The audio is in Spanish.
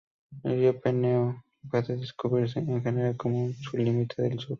El río Peneo puede describirse en general como su límite sur.